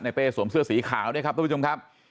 ในเป้สวมเสื้อสีขาวนะครับท่านผู้ชมครับ